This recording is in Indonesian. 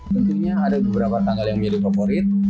tentunya ada beberapa tanggal yang menjadi favorit